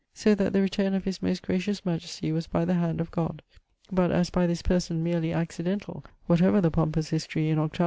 So that the return of his most gracious majestie was by the hand of GOD[XXXII.]; but as by this person meerly accidentall, whatever the pompous History in 8vo.